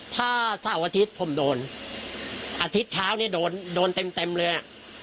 ถ้าเช้าอาทิตย์ผมโดนอาทิตย์เช้านี้โดนเต็มเลย